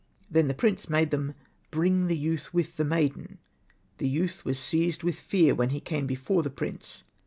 Then the prince made them bring the youth with the maiden. The youth was seized with fear when he came before the prince.